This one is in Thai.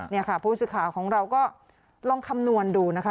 นี่ค่ะผู้สื่อข่าวของเราก็ลองคำนวณดูนะคะ